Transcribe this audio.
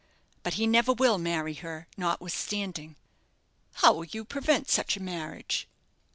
But he never will marry her, notwithstanding." "How will you prevent such a marriage?"